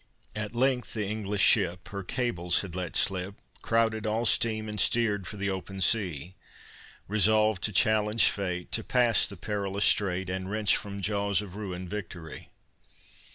At length, the English ship Her cables had let slip, Crowded all steam, and steered for the open sea, Resolved to challenge Fate, To pass the perilous strait, And wrench from jaws of ruin Victory.